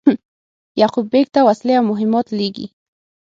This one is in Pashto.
یعقوب بېګ ته وسلې او مهمات لېږي.